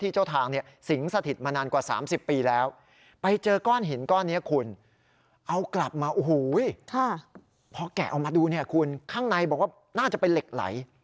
ใครบอกว่าน่าจะเป็นเหล็กไหล